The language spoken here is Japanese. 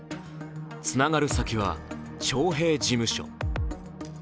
つながる先は、徴兵事務所。